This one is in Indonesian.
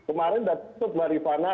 kemarin sudah tutup marifana